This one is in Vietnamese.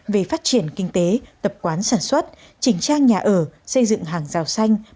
về phát triển kinh tế tập quán sản xuất trình trang nhà ở xây dựng hàng rào xanh